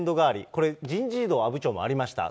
これ、人事異動、阿武町もありました。